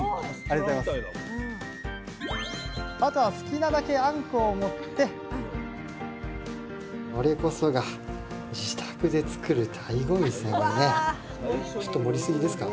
あとは好きなだけあんこを盛ってこれこそが自宅で作るだいご味ですよね。